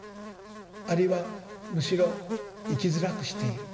あるいはむしろ生きづらくしている。